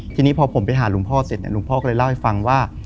ทีนี้พอผมไปหาหลวงพ่อเสร็จเนี่ยหลวงพ่อก็เลยเล่าให้ฟังว่า